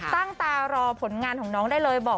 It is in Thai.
ตั้งตารอผลงานของน้องได้เลยบอก